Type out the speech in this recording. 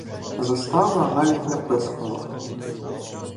Застава навіть не пискнула.